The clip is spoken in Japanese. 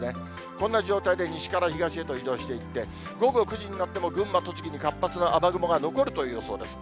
こんな状態で西から東へと移動していって、午後９時になっても、群馬、栃木に活発な雨雲が残るという予想です。